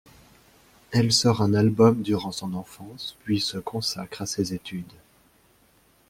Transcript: Elle sort un album durant son enfance puis se consacre à ses études.